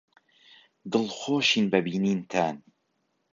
دڵخۆشین بە بینینتان.